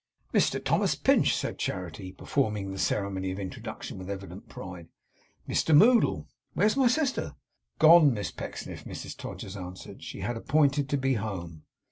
'Mr Thomas Pinch!' said Charity, performing the ceremony of introduction with evident pride. 'Mr Moddle. Where's my sister?' 'Gone, Miss Pecksniff,' Mrs Todgers answered. 'She had appointed to be home.